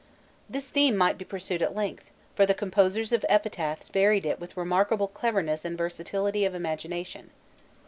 This theme might be pursued at length, for the composers of epitaphs varied it with remarkable cleverness and versatility of imagination.